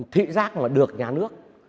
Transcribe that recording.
thị giác mà được nhà nước